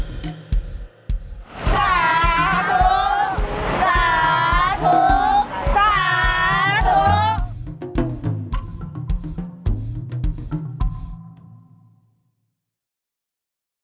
สาธุสาธุสาธุ